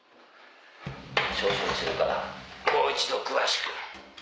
調書にするからもう一度詳しく。